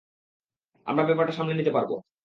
আমরা ব্যাপারটা সামলে নিতে পারব।